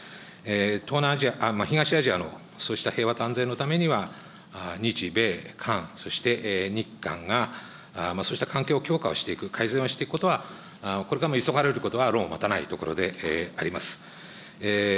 東南アジア、東アジアのそうした平和と安全のためには、日米韓、そして日韓が、そうした関係を強化していく、改善をしていくことはこれからも急がれることは論を待たないところでございます。